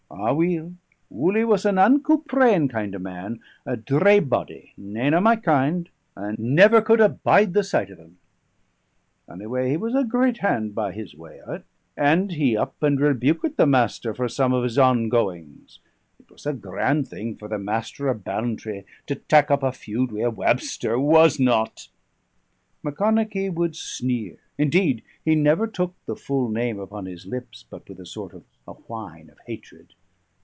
Aweel, Wully was an unco praying kind o' man; a dreigh body, nane o' my kind, I never could abide the sight of him; onyway he was a great hand by his way of it, and he up and rebukit the Master for some of his ongoings. It was a grand thing for the Master o' Ball'ntrae to tak' up a feud wi' a wabster, wasna't?" Macconochie would sneer; indeed, he never took the full name upon his lips but with a sort of a whine of hatred.